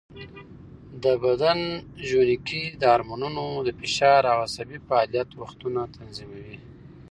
د بدن ژوڼکې د هارمونونو، فشار او عصبي فعالیت وختونه تنظیموي.